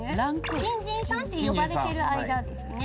新人さんって呼ばれてる間ですね。